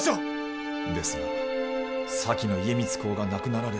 ですが先の家光公が亡くなられ。